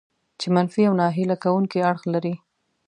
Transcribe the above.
چې منفي او ناهیله کوونکي اړخ لري.